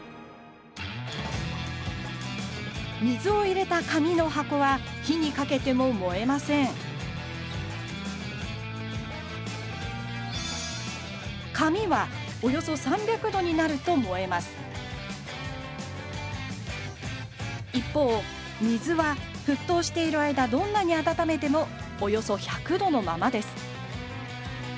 水を入れた紙の箱は火にかけても燃えません紙はおよそ３００度になると燃えます一方水は沸騰している間どんなに温めてもおよそ１００度のままです